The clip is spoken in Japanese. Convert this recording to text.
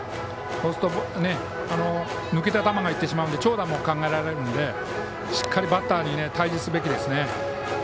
そうすると抜けた球がいくので長打も考えられるのでしっかりバッターに対峙すべきですね。